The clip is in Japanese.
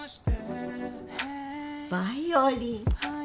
バイオリン。